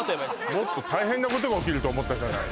もっと大変なことが起きると思ったじゃない